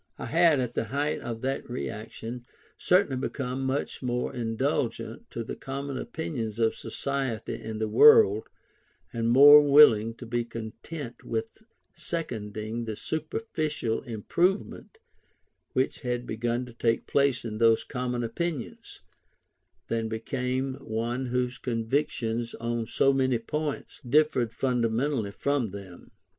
I had, at the height of that reaction, certainly become much more indulgent to the common opinions of society and the world, and more willing to be content with seconding the superficial improvement which had begun to take place in those common opinions, than became one whose convictions on so many points, differed fundamentally from them.